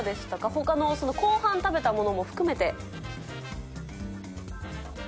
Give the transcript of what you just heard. ほかのその後半食べたものも含めて。